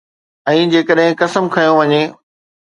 ۽ جيڪڏھن قسم کنيو وڃي